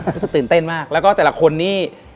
รู้สึกตื่นเต้นมากแล้วก็แต่ละคนนี่